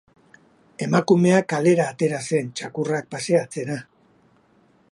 Emakumea kalera atera zen, txakurrak paseatzera.